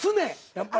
やっぱり。